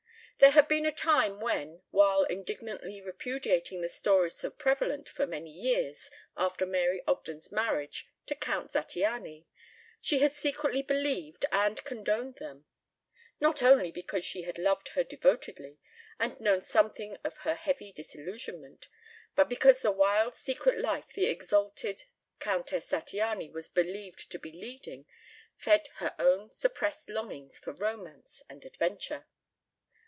There had been a time when, while indignantly repudiating the stories so prevalent for many years after Mary Ogden's marriage to Count Zattiany, she had secretly believed and condoned them; not only because she had loved her devotedly and known something of her heavy disillusionment, but because the wild secret life the exalted Countess Zattiany was believed to be leading fed her own suppressed longings for romance and adventure.